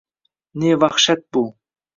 «Ne vahshat bu